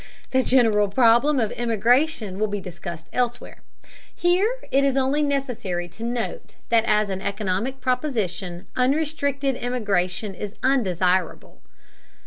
The general problem of immigration will be discussed elsewhere; here it is only necessary to note that as an economic proposition unrestricted immigration is undesirable.